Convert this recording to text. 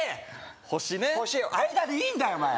星ね星相田でいいんだよお前